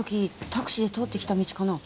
タクシーで通ってきた道かな？